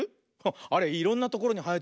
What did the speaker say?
あれいろんなところにはえてるよね。